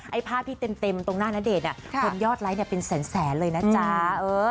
ภาพที่เต็มตรงหน้าณเดชน์คนยอดไลค์เป็นแสนเลยนะจ๊ะ